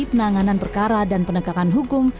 penanganan perkara dan penegakan hukum